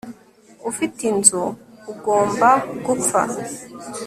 Ufite inzu ugomba gupfa